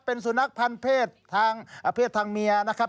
เป็นสุนัขพันธ์เพศทางเพศทางเมียนะครับ